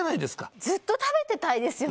ずっと食べてたいですよね。